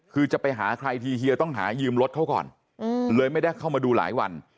คือจะไปหาใครทีเฮียต้องหายืมรถเขาก่อนเลยไม่ได้เข้ามาดูหลายวัน